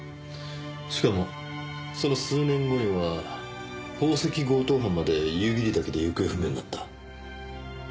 しかもその数年後には宝石強盗犯まで夕霧岳で行方不明になった。